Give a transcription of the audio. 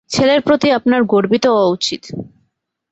ছেলের প্রতি আপনার গর্বিত হওয়া উচিত।